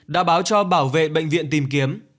đã báo cho bảo vệ bệnh viện tìm kiếm